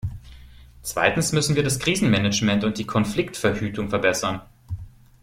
Zweitens müssen wir das Krisenmanagement und die Konfliktverhütung verbessern.